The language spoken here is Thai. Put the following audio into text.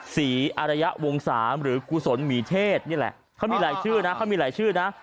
อารยะวงสามหรือกุศลหมีเทศนี่แหละเขามีหลายชื่อนะเขามีหลายชื่อนะ